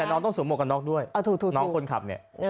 น้องต้องส่งหมวกด้วยนะครับ